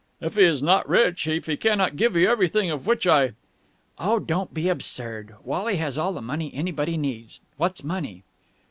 "If he is not rich, if he cannot give you everything of which I...." "Oh, don't be absurd! Wally has all the money anybody needs. What's money?"